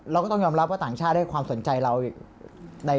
เราก็ต้องยอมรับว่าต่างชาติได้ความสนใจเรา